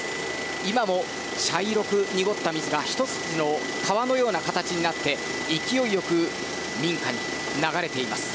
今も茶色く濁った水がひと筋の川のような形になって勢いよく民家に流れています。